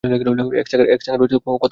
এক সেকেন্ড কথা বলা যাবে?